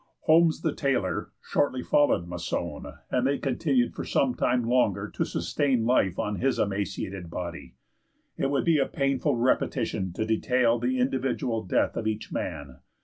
Holmes, the tailor, shortly followed Maçon, and they continued for some time longer to sustain life on his emaciated body. It would be a painful repetition to detail the individual death of each man.